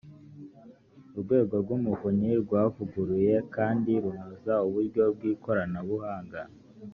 urwego rw umuvunyi rwavuguruye kandi runoza uburyo bw ikoranabuhanga